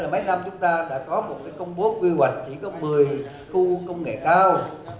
mấy năm chúng ta đã có một công bố quy hoạch chỉ có một mươi khu công nghệ cao